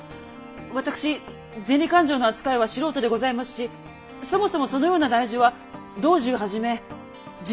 私銭勘定の扱いは素人でございますしそもそもそのような大事は老中はじめ重役方のほうが。